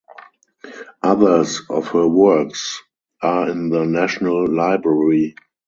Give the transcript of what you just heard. Others of her works are in the National Library.